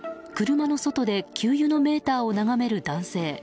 車の外で給油のメーターを眺める男性。